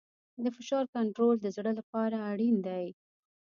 د فشار کنټرول د زړه لپاره اړین دی.